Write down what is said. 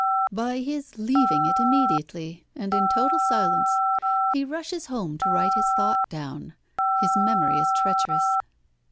"By his leaving it immediately, and in total silence. He rushes home to write his thought down. His memory is treacherous."